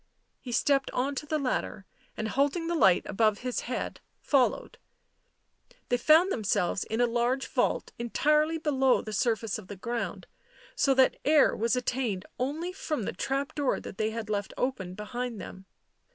He stepped on to the ladder, and holding the light above his head, fol lowed. They found themselves in a large vault entirely below the surface of the ground, so that air was attained only from the trap door that they had left open behind them.